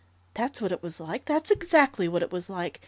That's what it was like! That's exactly what it was like.